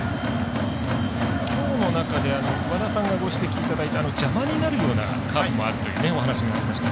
きょうの中で和田さんがご指摘いただいた邪魔になるようなカーブもあるというお話がありました。